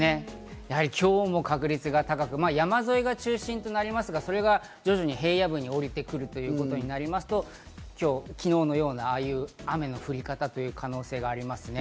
今日も確率が高く、山沿いが中心となりますが、徐々に平野部に下りてくることになりますと、昨日のようなああいう雨の降り方という可能性がありますね。